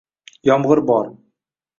Yomg’ir bor